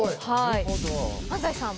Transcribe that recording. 安斉さん